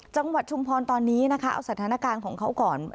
ชุมพรตอนนี้นะคะเอาสถานการณ์ของเขาก่อน